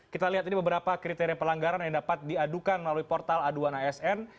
kita lihat ini beberapa kriteria pelanggaran yang dapat diadukan melalui portal aduan asn